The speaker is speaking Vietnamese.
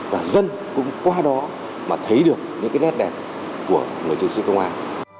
và dân cũng qua đó mà thấy được những cái nét đẹp của người chiến sĩ công an